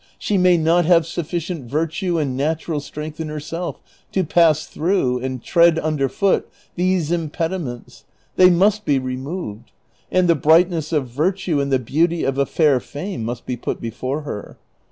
— she may not have sufficient virtue and natural strength in herself to pass through and tread under foot these impediments; they must be removed, and the brightness of virtue and the beauty of a fair fame must be put before her.